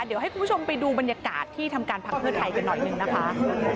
เดี๋ยวให้คุณผู้ชมไปดูบรรยากาศที่ทำการพักเพื่อไทยกันหน่อยหนึ่งนะคะ